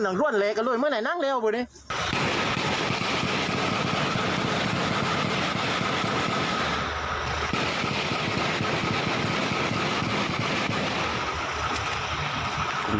ดังร่วนเละกันเลยเมื่อไหนนั่งแล้วบริเวณนี้